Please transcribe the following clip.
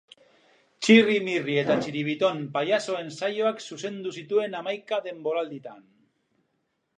Txirri, Mirri eta Txiribiton pailazoen saioak zuzendu zituen hamaika denboralditan.